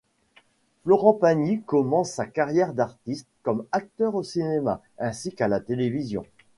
Florent Pagny commence sa carrière d'artiste comme acteur au cinéma ainsi qu'à la télévision.